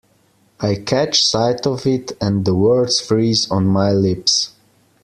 I catch sight of it, and the words freeze on my lips.